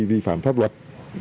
vi phạm pháp luật